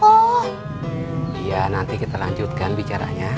iya nanti kita lanjutkan bicaranya